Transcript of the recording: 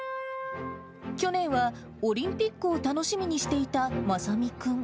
去年は、オリンピックを楽しみにしていたまさみ君。